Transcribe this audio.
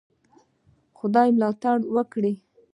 خدای ملاتړ وکړی.